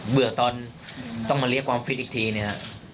เบื่อตอนต้องมาเรียกความฟิตอีกทีนะครับ